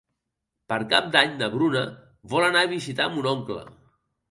Per Cap d'Any na Bruna vol anar a visitar mon oncle.